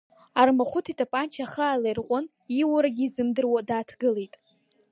Армахәыҭ итапанча ахы аалаирҟәит, ииурагьы изымдыруа дааҭгылеит.